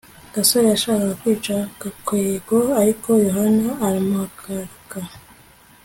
gasore yashakaga kwica gakwego, ariko yohana aramuhagarika